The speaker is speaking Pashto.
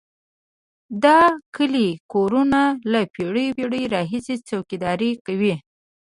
دا کلي او کورونه له پېړیو پېړیو راهیسې څوکیداري کوي.